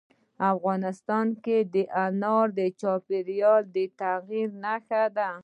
افغانستان کې انار د چاپېریال د تغیر نښه ده.